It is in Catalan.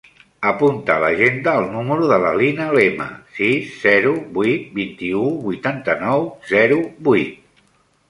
Apunta a l'agenda el número de la Lina Lema: sis, zero, vuit, vint-i-u, vuitanta-nou, zero, vuit.